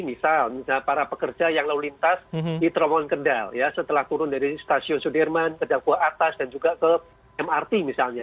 misal misalnya para pekerja yang lalu lintas di terowongan kendal ya setelah turun dari stasiun sudirman ke dagua atas dan juga ke mrt misalnya